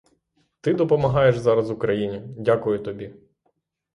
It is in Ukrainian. Ти допомагаєш зараз Україні, дякую тобі!